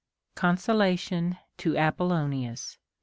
CONSOLATION TO APOLLONIUS.